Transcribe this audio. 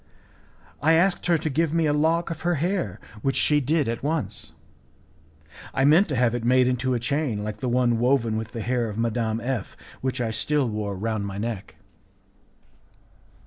I asked her to give me a lock of her hair, which she did at once. I meant to have it made into a chain like the one woven with the hair of Madame F , which I still wore round my neck.